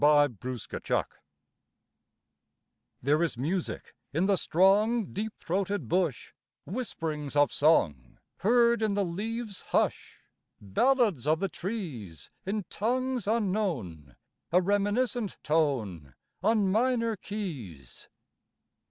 UNDER SONG There is music in the strong Deep throated bush, Whisperings of song Heard in the leaves' hush Ballads of the trees In tongues unknown A reminiscent tone On minor keys...